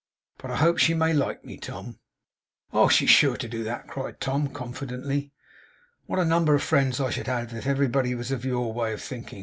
But I hope she may like me, Tom.' 'Oh, she is sure to do that!' cried Tom, confidently. 'What a number of friends I should have, if everybody was of your way of thinking.